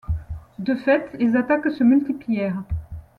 De fait, les attaques se multiplièrent.